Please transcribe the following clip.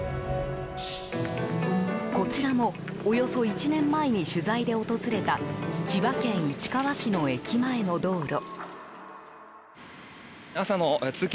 こちらもおよそ１年前に取材で訪れた千葉県市川市の駅前の道路。